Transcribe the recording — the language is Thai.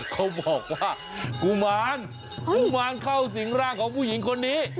เขาบอกว่ากุมารกุมารเข้าสิงร่างของผู้หญิงคนนี้